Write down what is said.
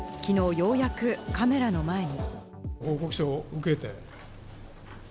ようやくカメラの前に。